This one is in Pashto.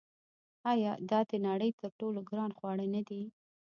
آیا دا د نړۍ تر ټولو ګران خواړه نه دي؟